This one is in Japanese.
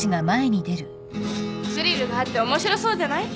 スリルがあって面白そうじゃない。